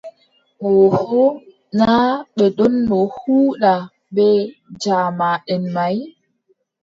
Ooho, naa ɓe ɗonno huuda bee jaamanʼen may.